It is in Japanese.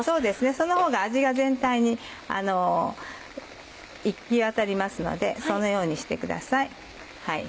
そのほうが味が全体に行きわたりますのでそのようにしてください。